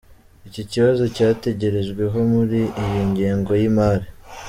Iki kibazo cyatekerejweho muri iyi ngengo y’imari.